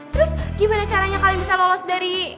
terus gimana caranya kalian bisa lolos dari